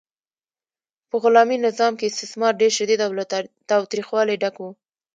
په غلامي نظام کې استثمار ډیر شدید او له تاوتریخوالي ډک و.